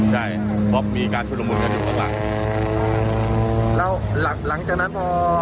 ใช่เพราะมีการชุดละมุนกันอยู่ข้างหลังแล้วหลังจากนั้นพอ